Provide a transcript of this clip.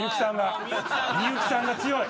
みゆきさんが強い！